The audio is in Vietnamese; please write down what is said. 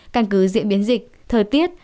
căn cứ diễn biến dịch thời tiết